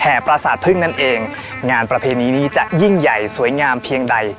ประสาทพึ่งนั่นเองงานประเพณีนี้จะยิ่งใหญ่สวยงามเพียงใด